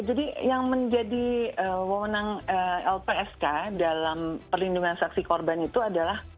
yang menjadi wawonan lpsk dalam perlindungan saksi korban itu adalah